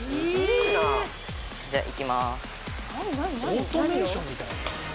オートメーションみたいだね。